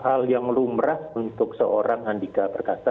hal yang lumrah untuk seorang andika perkasa